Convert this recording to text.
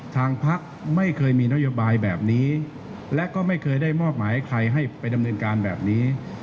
ทางพักไม่เคยมีนโยบายแบบนี้และก็ไม่เคยได้มอบหมายให้ใครให้ไปดำเนินการแบบนี้